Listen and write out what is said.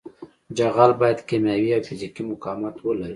جغل باید کیمیاوي او فزیکي مقاومت ولري